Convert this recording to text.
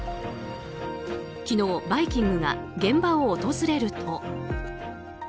昨日、「バイキング」が現場を訪れると。